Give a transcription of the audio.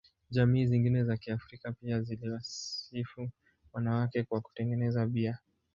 Jamii zingine za Kiafrika pia ziliwasifu wanawake kwa kutengeneza bia.